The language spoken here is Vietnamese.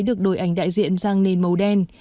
được đổi ảnh đại diện sang nền màu đen